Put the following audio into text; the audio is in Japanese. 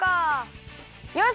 よし！